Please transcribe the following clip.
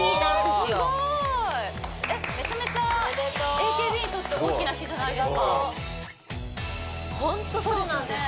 すごい！えっめちゃめちゃＡＫＢにとって大きな日じゃないですかホントそうなんです！